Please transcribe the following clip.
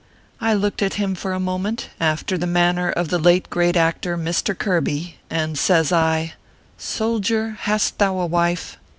I looked at him for a moment, after the manner of the late great actor, Mr. Kirby, and says I :" Soldier, hast thou a wife